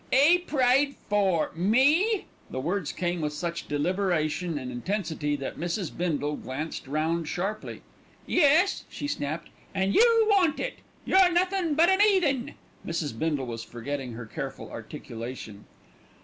"'E prayed for me?" The words came with such deliberation and intensity that Mrs. Bindle glanced round sharply. "Yes!" she snapped, "an' you want it. You're nothin' but an 'eathen." Mrs. Bindle was forgetting her careful articulation.